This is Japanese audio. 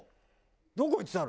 「どこ行ってたの？」